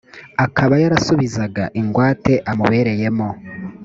akaba yarasubizaga ingwate umubereyemo